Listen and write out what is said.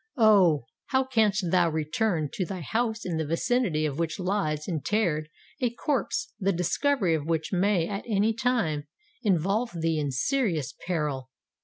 Oh! how canst thou return to thy house in the vicinity of which lies interred a corpse the discovery of which may at any time involve thee in serious peril?